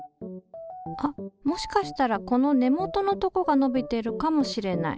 あっもしかしたらこの根元のとこが伸びてるかもしれない。